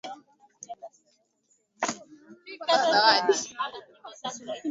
mu ambaye anasikiliza shauri hiyo haine low